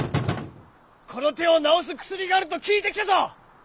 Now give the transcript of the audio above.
この手を治す薬があると聞いて来たぞ！